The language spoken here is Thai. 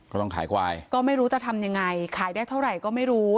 ต้องขายควายก็ไม่รู้จะทำยังไงขายได้เท่าไหร่ก็ไม่รู้